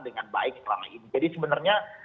dengan baik selama ini jadi sebenarnya